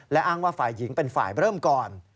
และอ้างว่าฝ่ายหญิงเป็นฝ่ายเริ่มก่อน